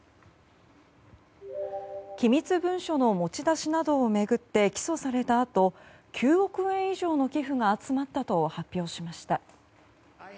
機密文書の持ち出しなどを巡って起訴されたあと９億円以上の寄付が集まったと発表しました。